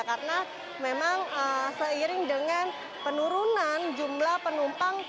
karena memang seiring dengan penurunan jumlah penumpang